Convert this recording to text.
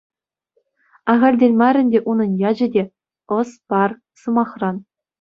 Ахальтен мар ӗнтӗ унӑн ячӗ те — «ӑс пар» сӑмахран.